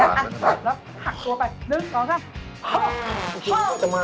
ว่าก็หักตัวไป